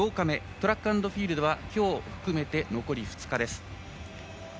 トラックアンドフィールドは今日を含めて残り２日です。